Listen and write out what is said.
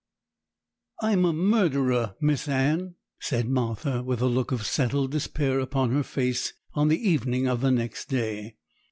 'I'm a murderer, Miss Anne,' said Martha, with a look of settled despair upon her face, on the evening of the next day.